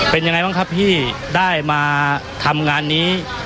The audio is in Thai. เป็นยังไงบ้างครับพี่ได้มาทำงานนี้